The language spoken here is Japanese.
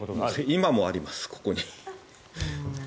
今もあります、ここに。